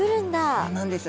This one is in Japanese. そうなんです。